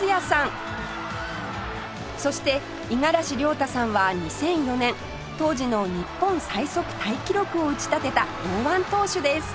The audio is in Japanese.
そして五十嵐亮太さんは２００４年当時の日本最速タイ記録を打ち立てた剛腕投手です